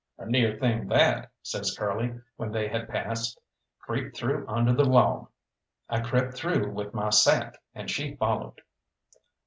"A near thing that," says Curly, when they had passed; "creep through under the log." I crept through with my sack, and she followed.